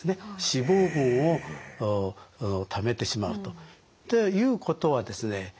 脂肪分を貯めてしまうと。ということはですね